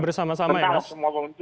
bersama sama ya mas